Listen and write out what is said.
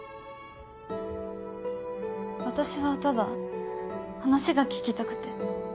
私はただ話が聞きたくて。